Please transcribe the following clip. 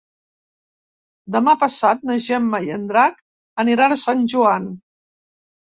Demà passat na Gemma i en Drac aniran a Sant Joan.